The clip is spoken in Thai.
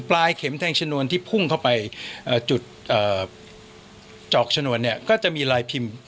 เข็มแทงชนวนที่พุ่งเข้าไปจุดจอกชนวนเนี่ยก็จะมีลายพิมพ์